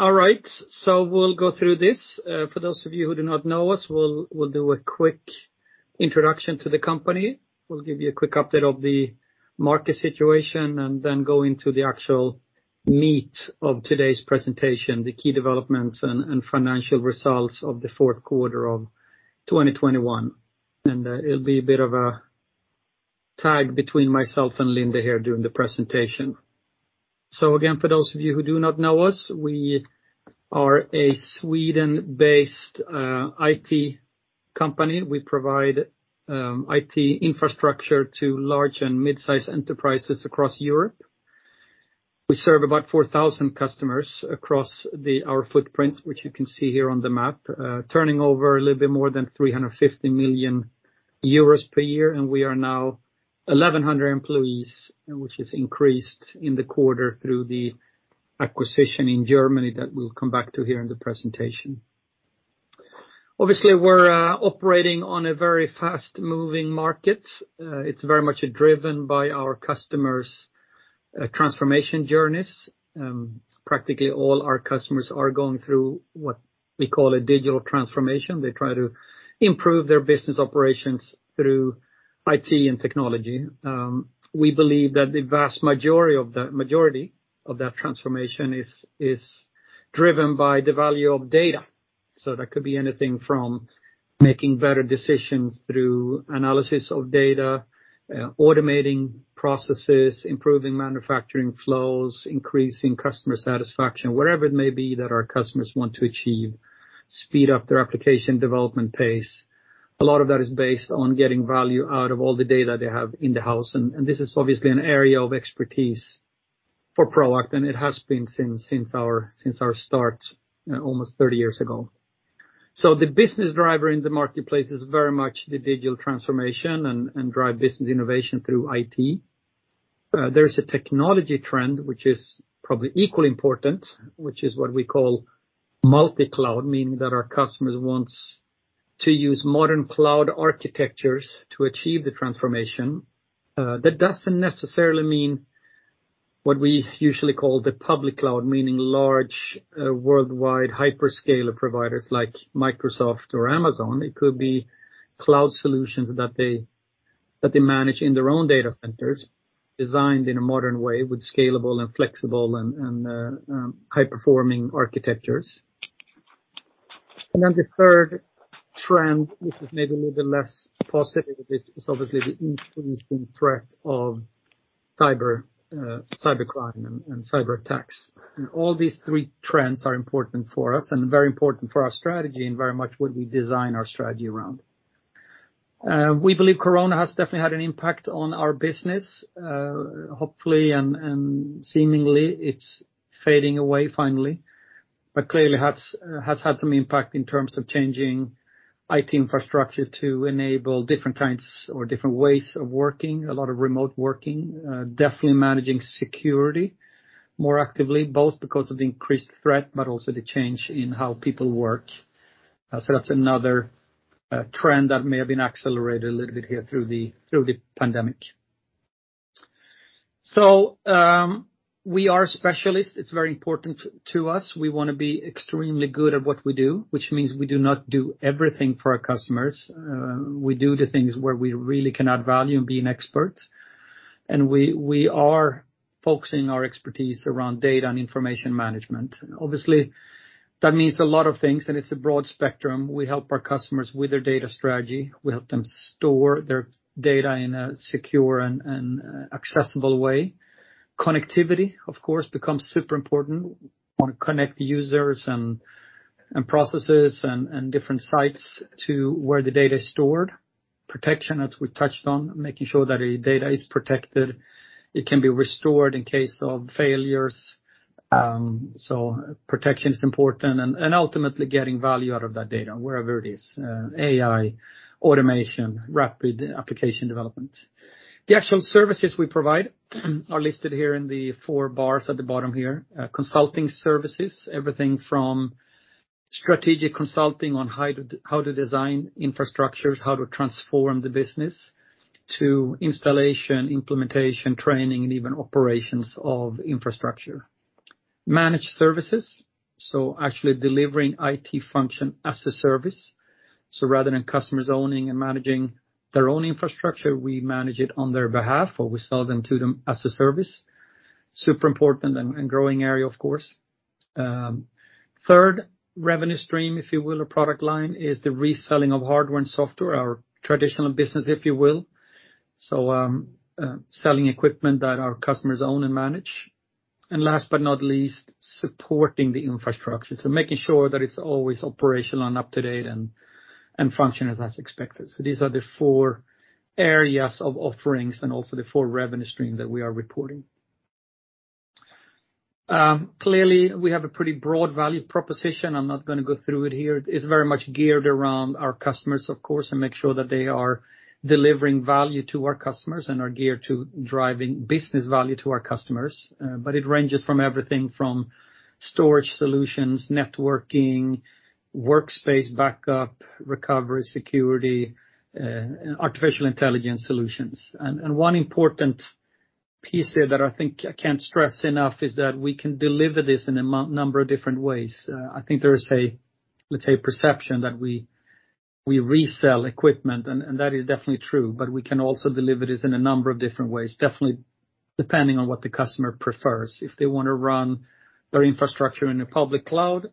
All right, we'll go through this. For those of you who do not know us, we'll do a quick introduction to the company. We'll give you a quick update of the market situation, and then go into the actual meat of today's presentation, the key developments and financial results of the fourth quarter of 2021. It'll be a bit of a tag between myself and Linda here during the presentation. Again, for those of you who do not know us, we are a Sweden-based IT company. We provide IT infrastructure to large and mid-size enterprises across Europe. We serve about 4,000 customers across our footprint, which you can see here on the map, turning over a little bit more than 350 million euros per year, and we are now 1,100 employees, which has increased in the quarter through the acquisition in Germany that we'll come back to here in the presentation. Obviously, we're operating on a very fast-moving market. It's very much driven by our customers' transformation journeys. Practically all our customers are going through what we call a digital transformation. They try to improve their business operations through IT and technology. We believe that the vast majority of that transformation is driven by the value of data. That could be anything from making better decisions through analysis of data, automating processes, improving manufacturing flows, increasing customer satisfaction, whatever it may be that our customers want to achieve, speed up their application development pace. A lot of that is based on getting value out of all the data they have in the house. This is obviously an area of expertise for Proact, and it has been since our start almost 30 years ago. The business driver in the marketplace is very much the digital transformation and drive business innovation through IT. There's a technology trend which is probably equally important, which is what we call multi-cloud, meaning that our customers wants to use modern cloud architectures to achieve the transformation. That doesn't necessarily mean what we usually call the public cloud, meaning large, worldwide hyperscaler providers like Microsoft or Amazon. It could be cloud solutions that they manage in their own data centers, designed in a modern way with scalable and flexible and high-performing architectures. Then the third trend, which is maybe a little bit less positive, this is obviously the increasing threat of cybercrime and cyberattacks. All these three trends are important for us and very important for our strategy and very much what we design our strategy around. We believe Corona has definitely had an impact on our business. Hopefully and seemingly it's fading away finally, but clearly has had some impact in terms of changing IT infrastructure to enable different kinds or different ways of working, a lot of remote working, definitely managing security more actively, both because of increased threat, but also the change in how people work. That's another trend that may have been accelerated a little bit here through the pandemic. We are specialists. It's very important to us. We wanna be extremely good at what we do, which means we do not do everything for our customers. We do the things where we really can add value in being experts. We are focusing our expertise around data and information management. Obviously, that means a lot of things, and it's a broad spectrum. We help our customers with their data strategy. We help them store their data in a secure and accessible way. Connectivity, of course, becomes super important. We wanna connect users and processes and different sites to where the data is stored. Protection, as we touched on, making sure that the data is protected. It can be restored in case of failures. Protection is important and ultimately getting value out of that data wherever it is, AI, automation, rapid application development. The actual services we provide are listed here in the four bars at the bottom here. Consulting services, everything from strategic consulting on how to design infrastructures, how to transform the business to installation, implementation, training, and even operations of infrastructure. Managed services, so actually delivering IT function as a service. Rather than customers owning and managing their own infrastructure, we manage it on their behalf, or we sell them to them as a service. Super important and growing area, of course. Third revenue stream, if you will, or product line is the reselling of hardware and software, our traditional business, if you will. Selling equipment that our customers own and manage. Last but not least, supporting the infrastructure. Making sure that it's always operational and up-to-date and functioning as expected. These are the four areas of offerings and also the four revenue stream that we are reporting. Clearly, we have a pretty broad value proposition. I'm not gonna go through it here. It's very much geared around our customers, of course, and make sure that they are delivering value to our customers and are geared to driving business value to our customers. It ranges from everything from storage solutions, networking, workspace backup, recovery, security, artificial intelligence solutions. One important piece here that I think I can't stress enough is that we can deliver this in a number of different ways. I think there is a, let's say, perception that we resell equipment, and that is definitely true, but we can also deliver this in a number of different ways, definitely depending on what the customer prefers. If they wanna run their infrastructure in a public cloud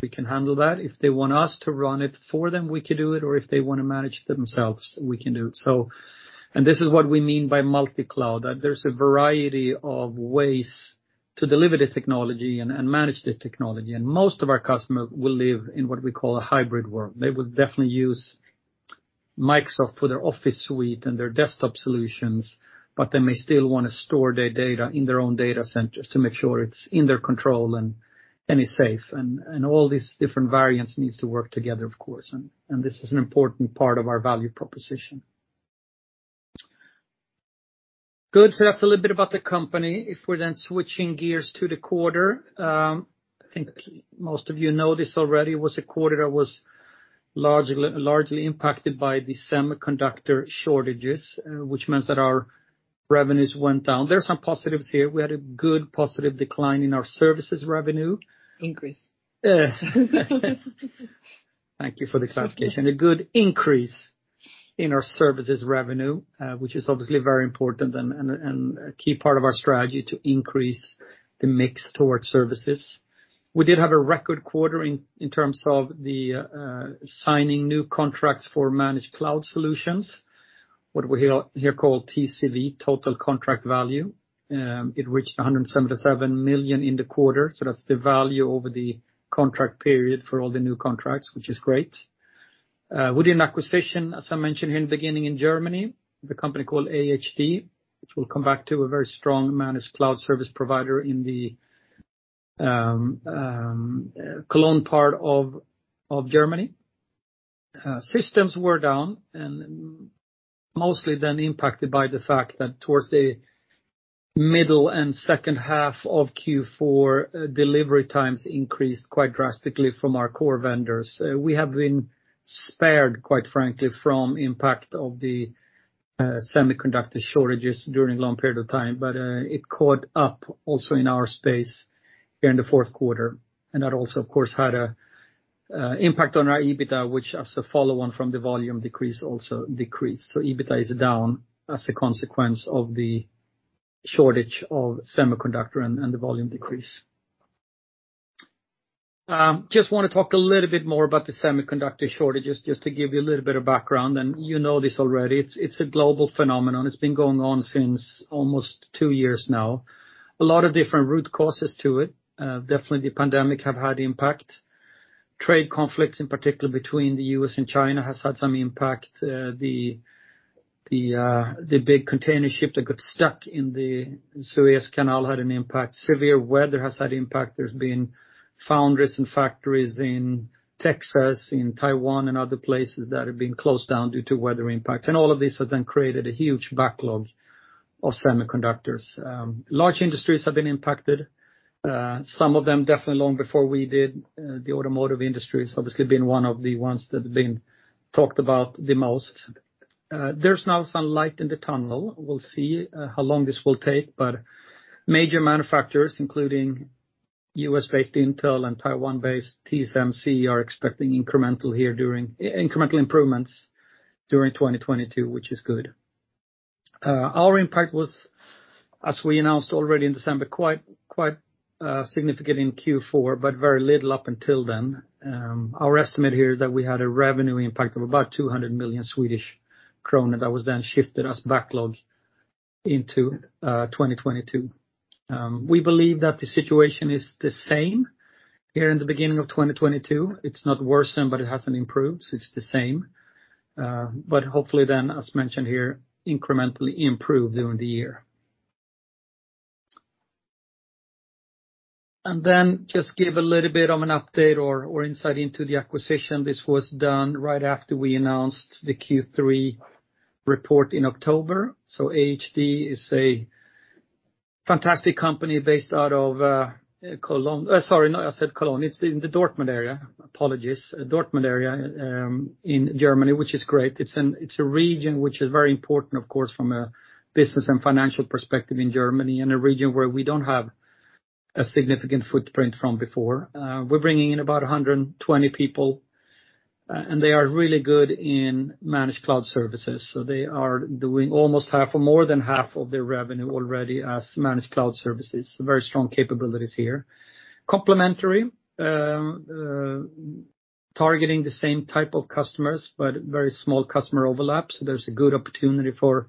environment, we can handle that. If they want us to run it for them, we could do it, or if they wanna manage it themselves, we can do it. This is what we mean by multi-cloud. That there's a variety of ways to deliver the technology and manage the technology. Most of our customer will live in what we call a hybrid world. They would definitely use Microsoft for their Office suite and their desktop solutions, but they may still wanna store their data in their own data centers to make sure it's in their control and is safe. All these different variants needs to work together, of course. This is an important part of our value proposition. Good. That's a little bit about the company. If we're then switching gears to the quarter, I think most of you know this already. It was a quarter that was largely impacted by the semiconductor shortages, which means that our revenues went down. There are some positives here. We had a good positive decline in our services revenue. Increase. Thank you for the clarification. A good increase in our services revenue, which is obviously very important and a key part of our strategy to increase the mix towards services. We did have a record quarter in terms of the signing new contracts for managed cloud solutions, what we here call TCV, Total Contract Value. It reached 177 million in the quarter, so that's the value over the contract period for all the new contracts, which is great. We did an acquisition, as I mentioned here in the beginning, in Germany, the company called AHD, which we'll come back to. A very strong managed cloud service provider in the Cologne part of Germany. Systems were down and mostly then impacted by the fact that towards the middle and second half of Q4, delivery times increased quite drastically from our core vendors. We have been spared, quite frankly, from impact of the semiconductor shortages during a long period of time, but it caught up also in our space here in the fourth quarter. That also, of course, had an impact on our EBITDA, which as a follow-on from the volume decrease also decreased. EBITDA is down as a consequence of the shortage of semiconductor and the volume decrease. Just wanna talk a little bit more about the semiconductor shortages, just to give you a little bit of background, and you know this already. It's a global phenomenon. It's been going on since almost two years now. A lot of different root causes to it. Definitely the pandemic have had impact. Trade conflicts, in particular between the U.S. and China, has had some impact. The big container ship that got stuck in the Suez Canal had an impact. Severe weather has had impact. There's been foundries and factories in Texas, in Taiwan, and other places that have been closed down due to weather impact. All of this has then created a huge backlog of semiconductors. Large industries have been impacted, some of them definitely long before we did. The automotive industry has obviously been one of the ones that have been talked about the most. There's now some light in the tunnel. We'll see how long this will take. Major manufacturers, including U.S.-based Intel and Taiwan-based TSMC, are expecting incremental here during... Incremental improvements during 2022, which is good. Our impact was, as we announced already in December, quite significant in Q4, but very little up until then. Our estimate here is that we had a revenue impact of about SEK 200 million that was then shifted as backlog into 2022. We believe that the situation is the same here in the beginning of 2022. It's not worsened, but it hasn't improved, so it's the same. Hopefully then, as mentioned here, incrementally improve during the year. Just give a little bit of an update or insight into the acquisition. This was done right after we announced the Q3 report in October. AHD is a fantastic company based out of Cologne. Sorry, no, I said Cologne. It's in the Dortmund area. Apologies. Dortmund area in Germany, which is great. It's a region which is very important, of course, from a business and financial perspective in Germany, and a region where we don't have a significant footprint from before. We're bringing in about 120 people, and they are really good in managed cloud services. They are doing almost half or more than half of their revenue already as managed cloud services. Very strong capabilities here. Complementary. Targeting the same type of customers, but very small customer overlaps. There's a good opportunity for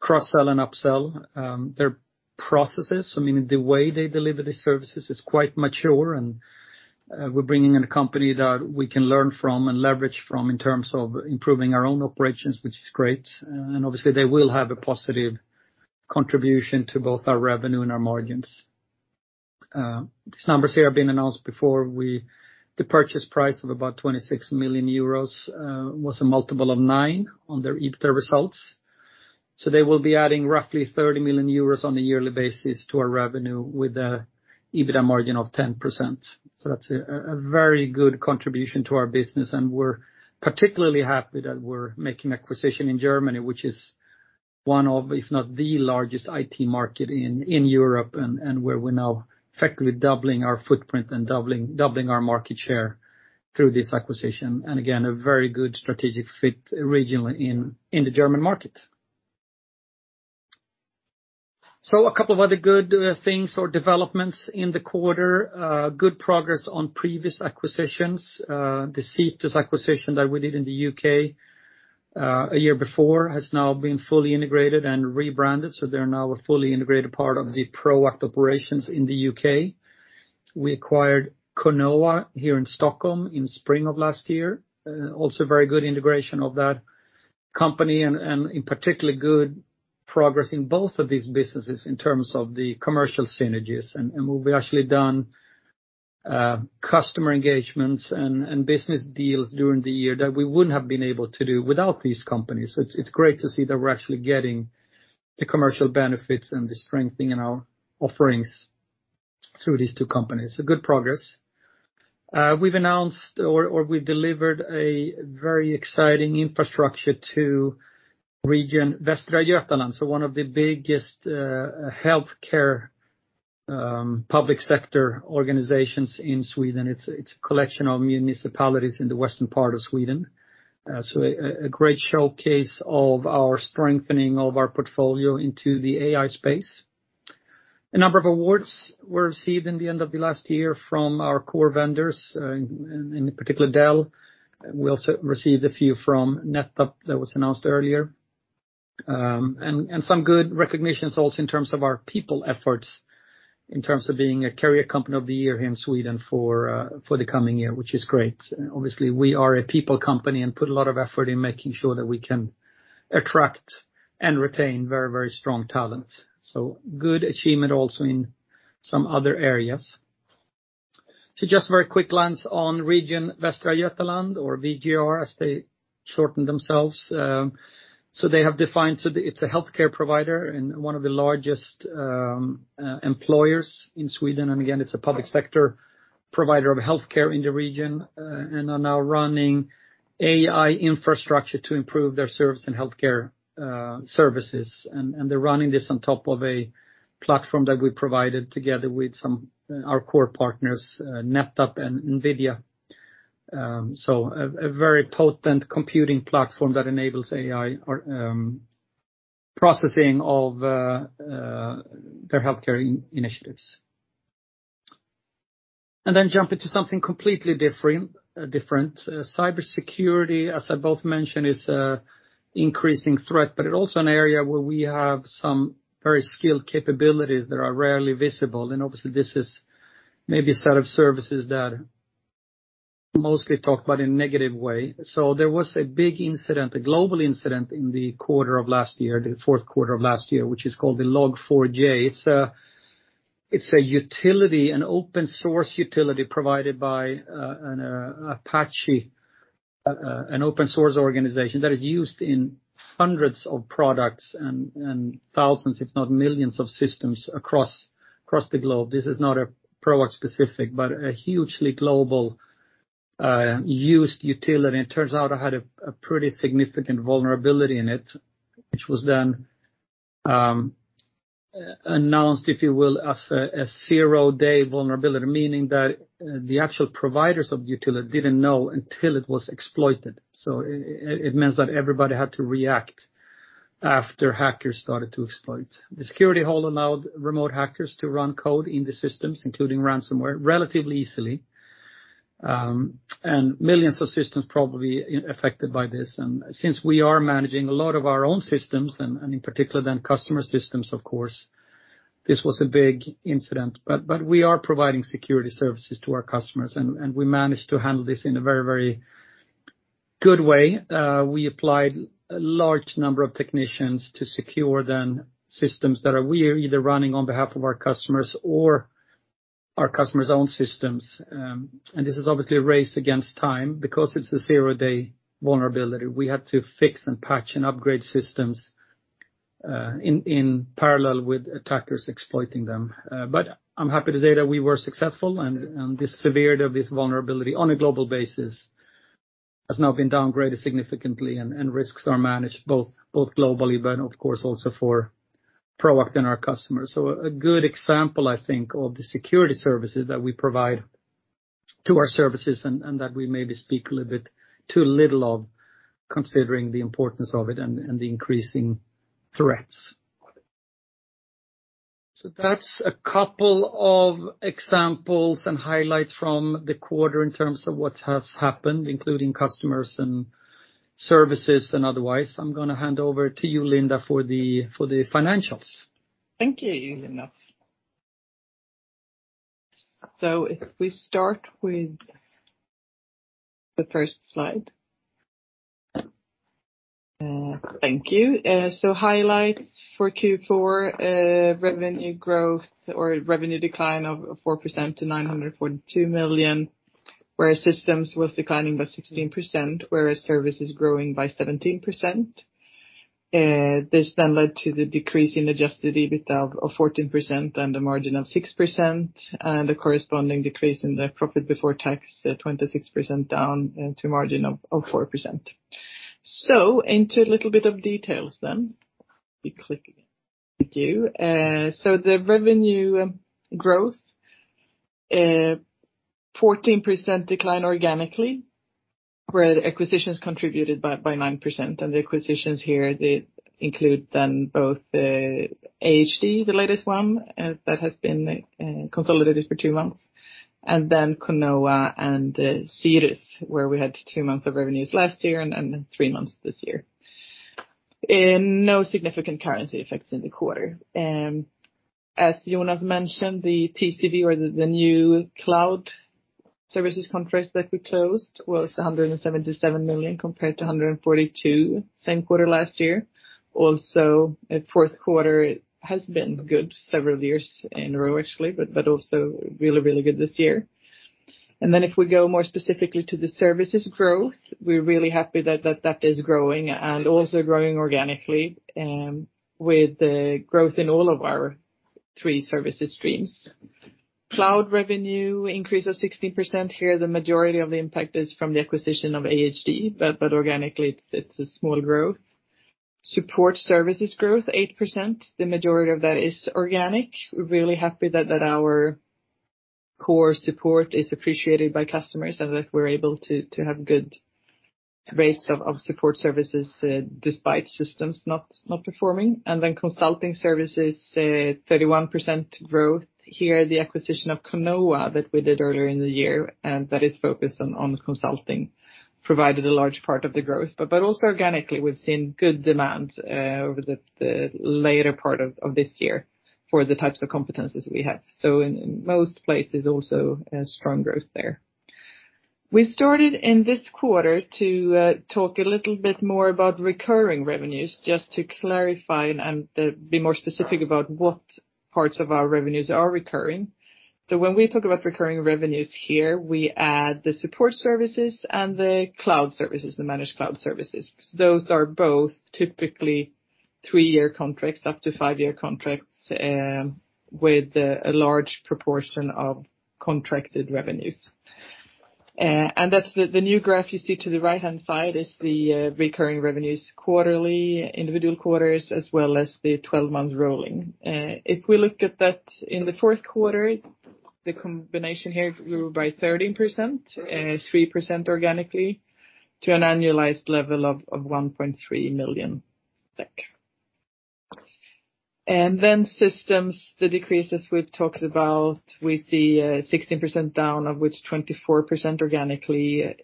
cross-sell and upsell. Their processes, I mean, the way they deliver the services is quite mature and we're bringing in a company that we can learn from and leverage from in terms of improving our own operations, which is great. Obviously, they will have a positive contribution to both our revenue and our margins. These numbers here have been announced before. The purchase price of about 26 million euros was a multiple of 9x on their EBITDA results. They will be adding roughly 30 million euros on a yearly basis to our revenue with a EBITDA margin of 10%. That's a very good contribution to our business, and we're particularly happy that we're making acquisition in Germany, which is one of, if not the largest IT market in Europe and where we're now effectively doubling our footprint and doubling our market share through this acquisition. Again, a very good strategic fit regionally in the German market. A couple of other good things or developments in the quarter. Good progress on previous acquisitions. The Cetus acquisition that we did in the U.K., a year before has now been fully integrated and rebranded, so they're now a fully integrated part of the Proact operations in the U.K. We acquired Conoa here in Stockholm in spring of last year. Also very good integration of that company and in particular, good progress in both of these businesses in terms of the commercial synergies. We've actually done customer engagements and business deals during the year that we wouldn't have been able to do without these companies. It's great to see that we're actually getting the commercial benefits and the strengthening in our offerings through these two companies. Good progress. We've announced or we delivered a very exciting infrastructure to Region Västra Götaland. One of the biggest healthcare public sector organizations in Sweden. It's a collection of municipalities in the western part of Sweden. A great showcase of our strengthening of our portfolio into the AI space. A number of awards were received in the end of the last year from our core vendors, in particular, Dell. We also received a few from NetApp that was announced earlier. Some good recognitions also in terms of our people efforts, in terms of being a caring company of the year here in Sweden for the coming year, which is great. Obviously, we are a people company and put a lot of effort in making sure that we can attract and retain very strong talent. Good achievement also in some other areas. Just a very quick glance on Region Västra Götaland or VGR as they shorten themselves. It's a healthcare provider and one of the largest employers in Sweden. It's a public sector provider of healthcare in the region, and are now running AI infrastructure to improve their service and healthcare services. They're running this on top of a platform that we provided together with some our core partners, NetApp and NVIDIA. Very potent computing platform that enables AI or processing of their healthcare initiatives. Jump into something completely different. Cybersecurity, as I mentioned, is an increasing threat, but it's also an area where we have some very skilled capabilities that are rarely visible. Obviously, this is maybe a set of services that mostly talked about in a negative way. There was a big incident, a global incident in the quarter of last year, the fourth quarter of last year, which is called the Log4j. It's a utility, an open source utility provided by Apache, an open source organization that is used in hundreds of products and thousands, if not millions, of systems across the globe. This is not Proact specific, but a hugely global used utility. It turns out it had a pretty significant vulnerability in it, which was then announced, if you will, as a zero-day vulnerability, meaning that the actual providers of the utility didn't know until it was exploited. It means that everybody had to react after hackers started to exploit. The security hole allowed remote hackers to run code in the systems, including ransomware, relatively easily. Millions of systems probably affected by this. Since we are managing a lot of our own systems, and in particular the customer systems, of course, this was a big incident. We are providing security services to our customers, and we managed to handle this in a very good way. We applied a large number of technicians to secure the systems that we are either running on behalf of our customers or our customers' own systems. This is obviously a race against time. Because it's a zero-day vulnerability, we had to fix and patch and upgrade systems in parallel with attackers exploiting them. I'm happy to say that we were successful and the severity of this vulnerability on a global basis has now been downgraded significantly, and risks are managed both globally, but of course also for Proact and our customers. A good example, I think, of the security services that we provide to our services and that we maybe speak a little bit too little of considering the importance of it and the increasing threats. That's a couple of examples and highlights from the quarter in terms of what has happened, including customers and services and otherwise. I'm gonna hand over to you, Linda, for the financials. Thank you, Jonas. If we start with the first slide. Thank you. Highlights for Q4, revenue growth or revenue decline of 4% to 942 million, whereas systems was declining by 16%, whereas services growing by 17%. This then led to the decrease in adjusted EBITA of 14% and a margin of 6%, and the corresponding decrease in the profit before tax, 26% down, to a margin of 4%. Into a little bit of details then. We click again. Thank you. The revenue growth, 14% decline organically, where the acquisitions contributed by 9%, and the acquisitions here they include then both, AHD, the latest one, that has been consolidated for two months, and then Conoa and Cetus, where we had two months of revenues last year and three months this year. No significant currency effects in the quarter. As Jonas mentioned, the TCV or the new cloud services contracts that we closed was 177 million compared to 142 million same quarter last year. Fourth quarter has been good several years in a row, actually, but also really, really good this year. If we go more specifically to the services growth, we're really happy that that is growing and also growing organically with the growth in all of our three services streams. Cloud revenue increase of 60%. Here, the majority of the impact is from the acquisition of AHD, but organically, it's a small growth. Support services growth 8%. The majority of that is organic. We're really happy that our core support is appreciated by customers and that we're able to have good rates of support services despite systems not performing. Consulting services 31% growth. Here, the acquisition of Conoa that we did earlier in the year, and that is focused on consulting, provided a large part of the growth. Also organically, we've seen good demand over the later part of this year for the types of competencies we have. In most places also a strong growth there. We started in this quarter to talk a little bit more about recurring revenues, just to clarify and be more specific about what parts of our revenues are recurring. When we talk about recurring revenues here, we add the support services and the cloud services, the managed cloud services. Those are both typically three-year contracts up to five-year contracts with a large proportion of contracted revenues. That's the new graph you see to the right-hand side is the recurring revenues quarterly, individual quarters, as well as the 12 months rolling. If we looked at that in the fourth quarter, the combination here grew by 13%, 3% organically to an annualized level of 1.3 million. Systems, the decreases we've talked about, we see 16% down, of which 24% organically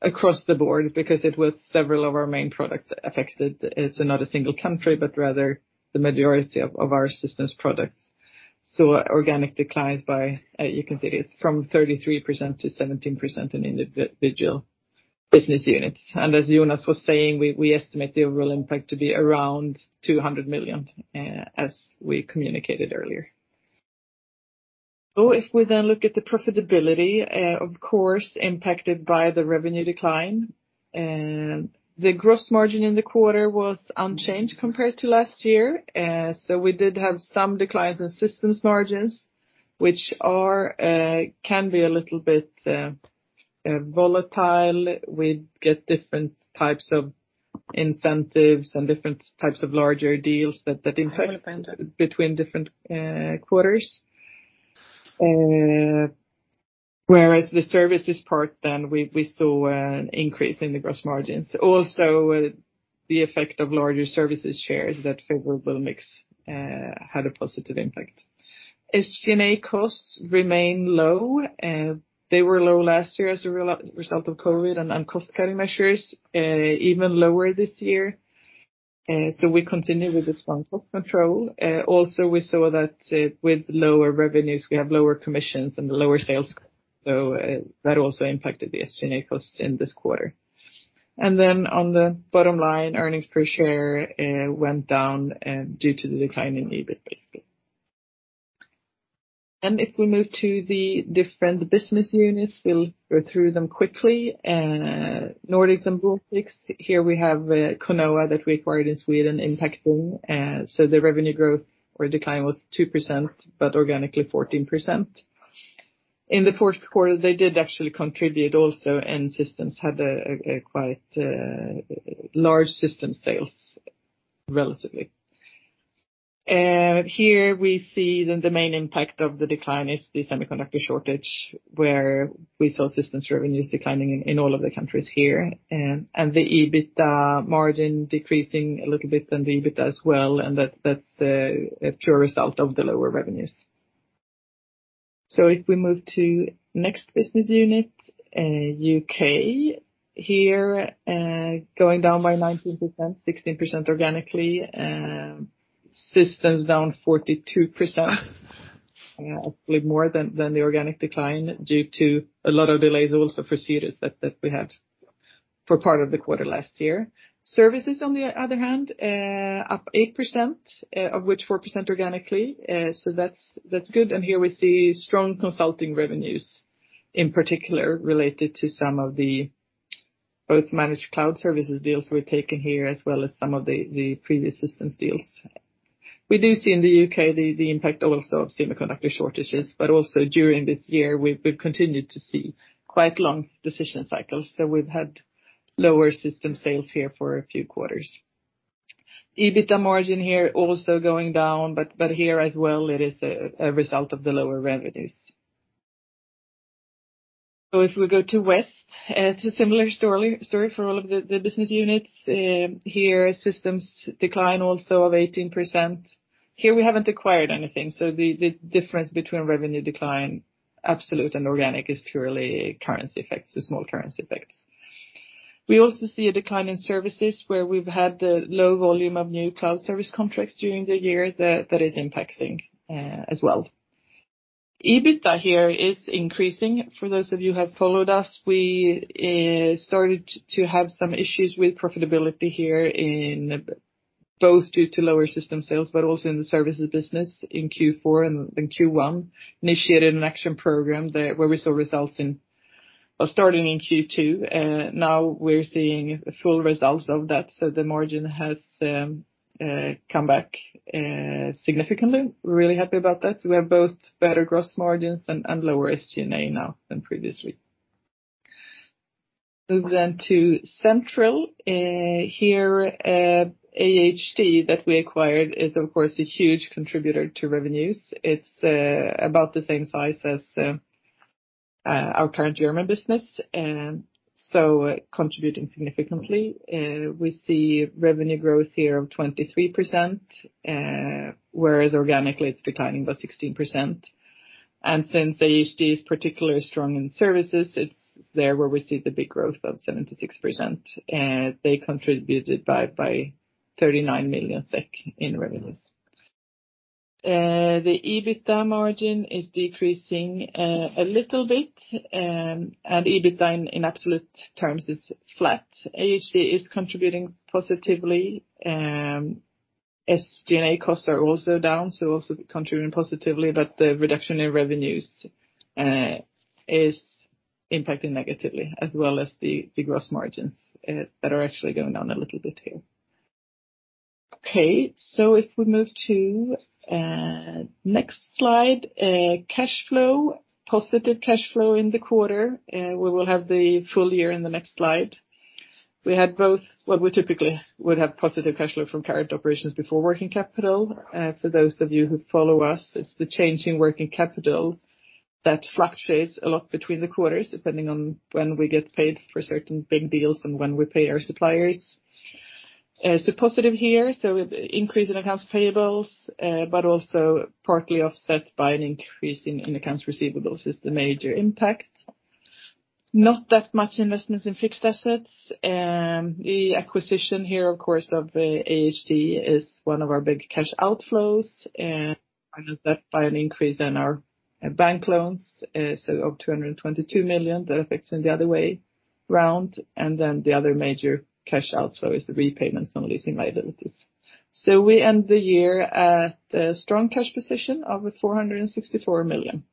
across the board, because it was several of our main products affected. It's not a single country, but rather the majority of our systems products. Organic declines by, you can see it, from 33%-17% in individual business units. As Jonas was saying, we estimate the overall impact to be around 200 million, as we communicated earlier. If we then look at the profitability, of course, impacted by the revenue decline, the gross margin in the quarter was unchanged compared to last year. We did have some declines in systems margins, which can be a little bit volatile. We get different types of incentives and different types of larger deals that impact between different quarters. Whereas the services part, we saw an increase in the gross margins. Also, the effect of larger services shares that favorable mix had a positive impact. SG&A costs remain low. They were low last year as a result of COVID and cost-cutting measures, even lower this year. We continue with the strong cost control. Also, we saw that with lower revenues, we have lower commissions and lower sales. That also impacted the SG&A costs in this quarter. Then on the bottom line, earnings per share went down due to the decline in EBIT, basically. If we move to the different business units, we'll go through them quickly. Nordics and Baltics. Here we have Conoa that we acquired in Sweden impacting. The revenue growth or decline was 2%, but organically 14%. In the fourth quarter, they did actually contribute also, and Systems had a quite large system sales, relatively. Here we see then the main impact of the decline is the semiconductor shortage, where we saw Systems revenues declining in all of the countries here, and the EBIT margin decreasing a little bit and the EBIT as well, and that's a pure result of the lower revenues. If we move to next business unit, U.K. Here, going down by 19%, 16% organically. Systems down 42%. Hopefully more than the organic decline due to a lot of delays also for Cetus that we had for part of the quarter last year. Services, on the other hand, up 8%, of which 4% organically. So that's good. Here we see strong consulting revenues, in particular related to some of the both managed cloud services deals we've taken here, as well as some of the previous systems deals. We do see in the U.K. the impact also of semiconductor shortages, but also during this year, we've continued to see quite long decision cycles, so we've had lower system sales here for a few quarters. EBITDA margin here also going down, but here as well, it is a result of the lower revenues. If we go to West, it's a similar story for all of the business units. Here systems decline also of 18%. Here, we haven't acquired anything, so the difference between revenue decline, absolute and organic is purely currency effects, the small currency effects. We also see a decline in services where we've had low volume of new cloud service contracts during the year that is impacting as well. EBITDA here is increasing. For those of you who have followed us, we started to have some issues with profitability here in both due to lower system sales, but also in the services business in Q4 and Q1, initiated an action program there where we saw results starting in Q2, now we're seeing full results of that. The margin has come back significantly. We're really happy about that. We have both better gross margins and lower SG&A now than previously. Move to Central. Here, AHD that we acquired is, of course, a huge contributor to revenues. It's about the same size as our current German business, so contributing significantly. We see revenue growth here of 23%, whereas organically, it's declining by 16%. Since AHD is particularly strong in services, it's there where we see the big growth of 76%, they contributed by 39 million SEK in revenues. The EBITDA margin is decreasing a little bit, and EBITDA in absolute terms is flat. AHD is contributing positively. SG&A costs are also down, so also contributing positively, but the reduction in revenues is impacting negatively as well as the gross margins that are actually going down a little bit here. Okay, so if we move to next slide, cash flow, positive cash flow in the quarter. We will have the full year in the next slide. We typically would have positive cash flow from current operations before working capital. For those of you who follow us, it's the change in working capital that fluctuates a lot between the quarters, depending on when we get paid for certain big deals and when we pay our suppliers. Positive here, so increase in accounts payables, but also partly offset by an increase in accounts receivables is the major impact. Not that much investments in fixed assets. The acquisition here, of course, of AHD is one of our big cash outflows, and offset by an increase in our bank loans, so of 222 million, that affects in the other way round. Then the other major cash outflow is the repayments on leasing liabilities. We end the year at a strong cash position of 464 million.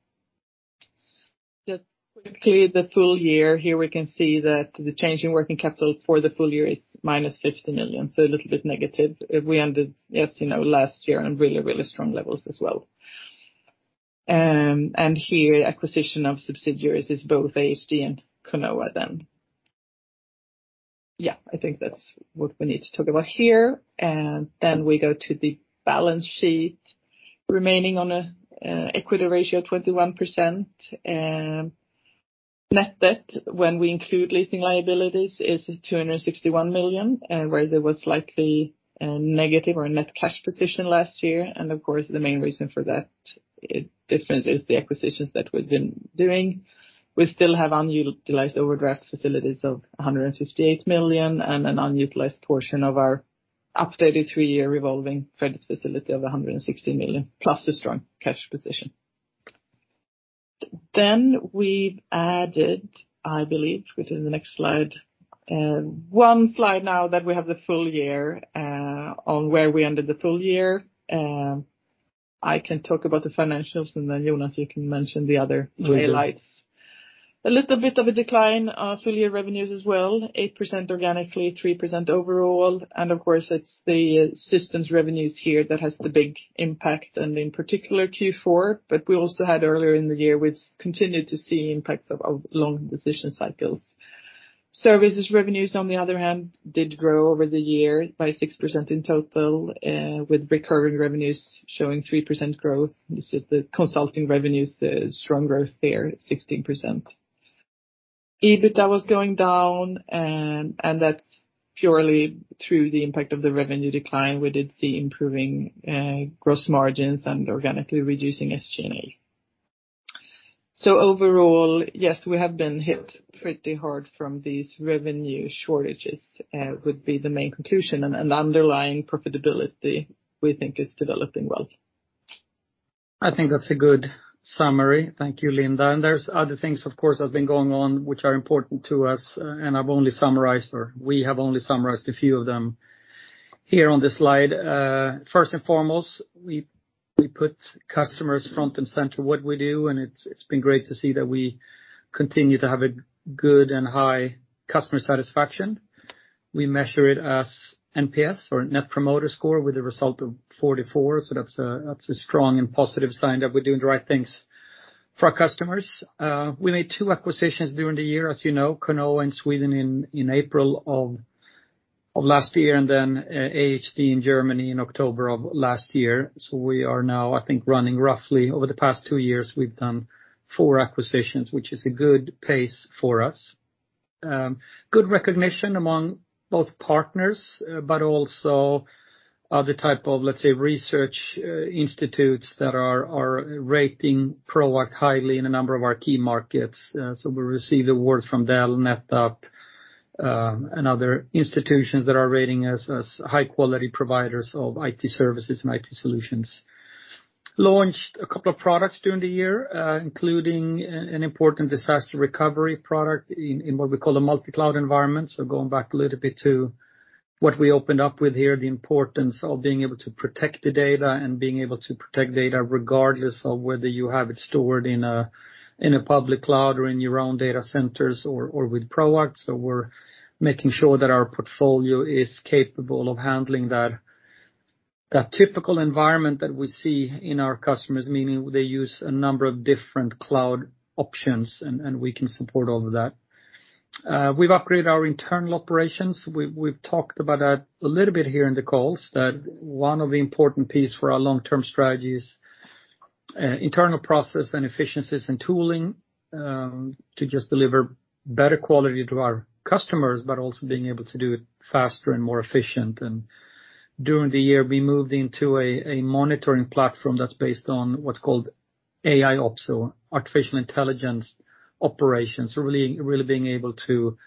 Just quickly, the full year. Here we can see that the change in working capital for the full year is -50 million, so a little bit negative. We ended, as you know, last year on really, really strong levels as well. Here, acquisition of subsidiaries is both AHD and Conoa then. Yeah, I think that's what we need to talk about here. Then we go to the balance sheet remaining on a equity ratio of 21%. Net debt, when we include leasing liabilities, is 261 million, whereas it was slightly negative or a net cash position last year. Of course, the main reason for that difference is the acquisitions that we've been doing. We still have unutilized overdraft facilities of 158 million and an unutilized portion of our updated three-year revolving credit facility of 160 million, plus a strong cash position. We've added, I believe, which is in the next slide, one slide now that we have the full year on where we ended the full year. I can talk about the financials, and then Jonas, you can mention the other highlights. A little bit of a decline on full year revenues as well, 8% organically, 3% overall. Of course, it's the systems revenues here that has the big impact, and in particular Q4. We also had earlier in the year, we've continued to see impacts of long decision cycles. Services revenues, on the other hand, did grow over the year by 6% in total, with recurring revenues showing 3% growth. This is the consulting revenues, the strong growth there, 16%. EBITDA was going down, and that's purely through the impact of the revenue decline. We did see improving gross margins and organically reducing SG&A. Overall, yes, we have been hit pretty hard from these revenue shortages, would be the main conclusion. Underlying profitability, we think is developing well. I think that's a good summary. Thank you, Linda. There's other things, of course, that have been going on which are important to us, and I've only summarized, or we have only summarized a few of them here on this slide. First and foremost, we put customers front and center what we do, and it's been great to see that we continue to have a good and high customer satisfaction. We measure it as NPS or Net Promoter Score with a result of 44. That's a strong and positive sign that we're doing the right things for our customers. We made two acquisitions during the year, as you know, Conoa in Sweden in April of last year, and then, AHD in Germany in October of last year. We are now, I think, running roughly over the past two years, we've done four acquisitions, which is a good pace for us. Good recognition among both partners, but also other type of, let's say, research institutes that are rating Proact highly in a number of our key markets. We receive awards from Dell, NetApp, and other institutions that are rating us as high quality providers of IT services and IT solutions. Launched a couple of products during the year, including an important disaster recovery product in what we call a multi-cloud environment. Going back a little bit to what we opened up with here, the importance of being able to protect the data and being able to protect data regardless of whether you have it stored in a public cloud or in your own data centers or with Proact. We're making sure that our portfolio is capable of handling that typical environment that we see in our customers, meaning they use a number of different cloud options and we can support all of that. We've upgraded our internal operations. We've talked about that a little bit here in the calls that one of the important piece for our long-term strategy is internal process and efficiencies and tooling to just deliver better quality to our customers, but also being able to do it faster and more efficient. During the year, we moved into a monitoring platform that's based on what's called AIOps or artificial intelligence operations, really, really being able to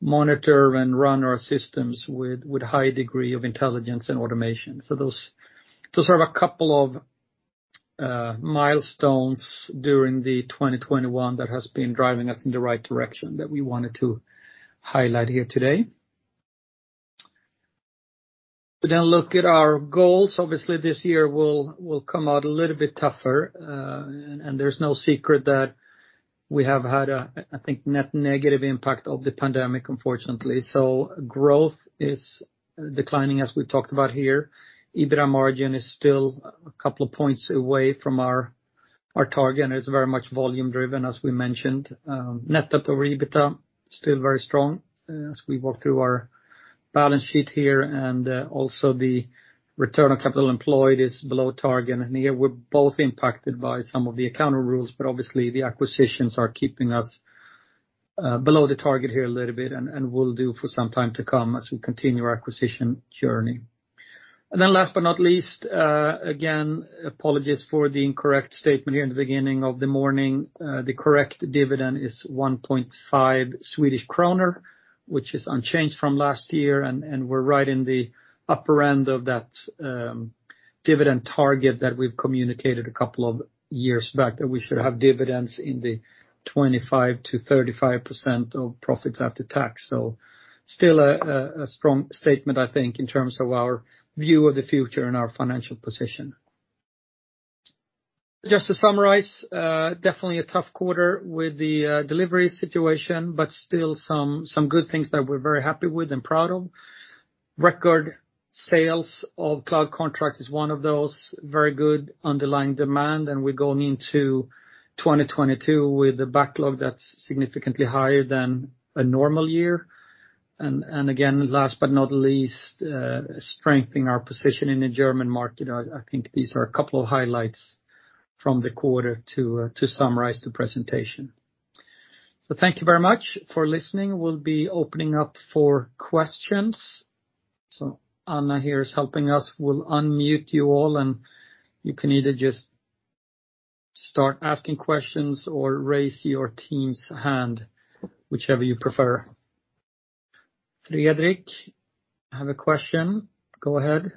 monitor and run our systems with high degree of intelligence and automation. Sort of a couple of milestones during the 2021 that has been driving us in the right direction that we wanted to highlight here today. Look at our goals. Obviously, this year will come out a little bit tougher, and there's no secret that we have had, I think, a net negative impact of the pandemic, unfortunately. Growth is declining, as we've talked about here. EBITDA margin is still a couple of points away from our target, and it's very much volume-driven, as we mentioned. Net debt over EBITDA, still very strong as we walk through our balance sheet here. Also the return on capital employed is below target. Here we're both impacted by some of the accounting rules, but obviously the acquisitions are keeping us below the target here a little bit and will do for some time to come as we continue our acquisition journey. Last but not least, again, apologies for the incorrect statement here in the beginning of the morning. The correct dividend is 1.5 Swedish kronor, which is unchanged from last year, and we're right in the upper end of that dividend target that we've communicated a couple of years back, that we should have dividends in the 25%-35% of profits after tax. Still a strong statement, I think, in terms of our view of the future and our financial position. Just to summarize, definitely a tough quarter with the delivery situation, but still some good things that we're very happy with and proud of. Record sales of cloud contracts is one of those very good underlying demand, and we're going into 2022 with a backlog that's significantly higher than a normal year. And again, last but not least, strengthening our position in the German market. I think these are a couple of highlights from the quarter to summarize the presentation. Thank you very much for listening. We'll be opening up for questions. Anna here is helping us. We'll unmute you all, and you can either just start asking questions or raise your team's hand, whichever you prefer. Fredrik, you have a question. Go ahead.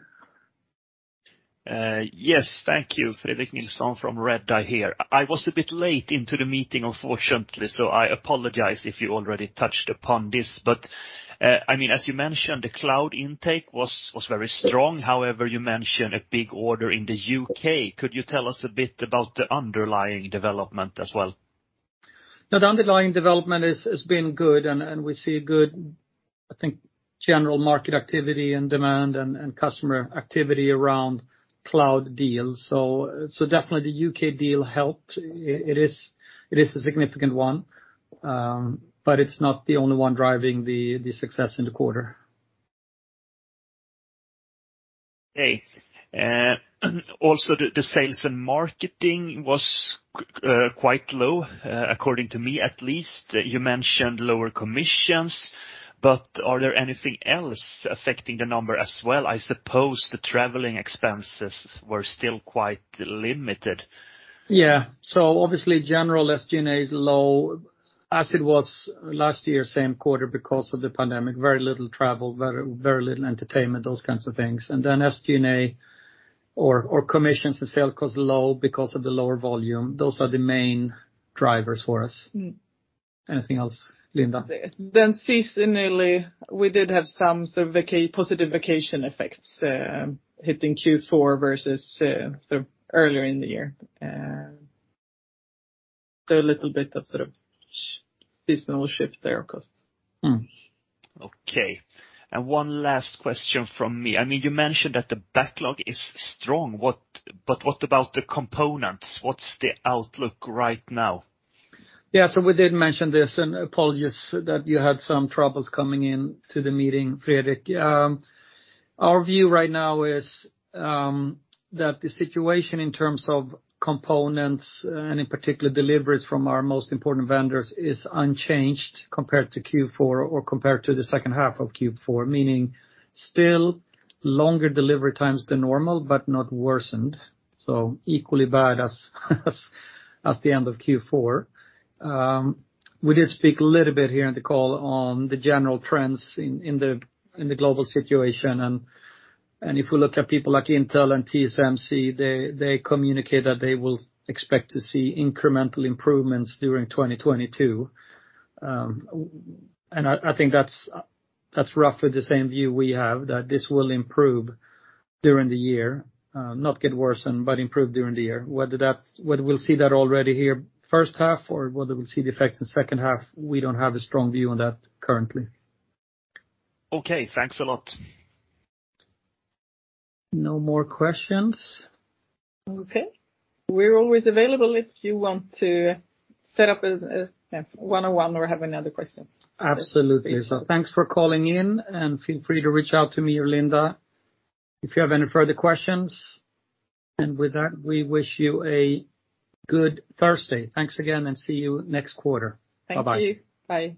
Yes. Thank you. Fredrik Nilsson from Redeye here. I was a bit late into the meeting, unfortunately, so I apologize if you already touched upon this. I mean, as you mentioned, the cloud intake was very strong. However, you mentioned a big order in the U.K. Could you tell us a bit about the underlying development as well? The underlying development has been good, and we see good, I think, general market activity and demand and customer activity around cloud deals. Definitely the U.K. deal helped. It is a significant one, but it's not the only one driving the success in the quarter. Okay. Also the sales and marketing was quite low, according to me, at least. You mentioned lower commissions, but are there anything else affecting the number as well? I suppose the traveling expenses were still quite limited. Obviously, general SG&A is low, as it was last year, same quarter because of the pandemic. Very little travel, very, very little entertainment, those kinds of things. SG&A or commissions and sales cost low because of the lower volume. Those are the main drivers for us. Anything else, Linda? Seasonally, we did have some sort of vacation-positive vacation effects hitting Q4 versus sort of earlier in the year. A little bit of sort of seasonal shift there, of course. Mm-hmm. Okay. One last question from me. I mean, you mentioned that the backlog is strong. What about the components? What's the outlook right now? We did mention this, and apologies that you had some troubles coming in to the meeting, Fredrik. Our view right now is that the situation in terms of components and in particular deliveries from our most important vendors is unchanged compared to Q4 or compared to the second half of Q4, meaning still longer delivery times than normal but not worsened, equally bad as the end of Q4. We did speak a little bit here in the call on the general trends in the global situation, and if we look at people like Intel and TSMC, they communicate that they will expect to see incremental improvements during 2022. I think that's roughly the same view we have, that this will improve during the year, not get worsened, but improve during the year. Whether we'll see that already in the first half or whether we'll see the effects in second half, we don't have a strong view on that currently. Okay. Thanks a lot. No more questions. Okay. We're always available if you want to set up a one-on-one or have any other questions. Absolutely. Thanks for calling in, and feel free to reach out to me or Linda if you have any further questions. With that, we wish you a good Thursday. Thanks again, and see you next quarter. Thank you. Bye-bye. Bye.